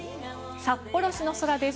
札幌市の空です。